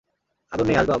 আদর নেই, আসবাব!